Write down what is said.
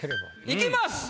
いきます。